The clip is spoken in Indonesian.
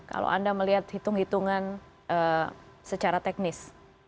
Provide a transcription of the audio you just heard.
kalau anda melihat hitung hitungan secara teknis